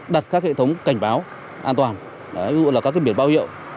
đặt các hệ thống cảnh báo an toàn ví dụ là các biển báo hiệu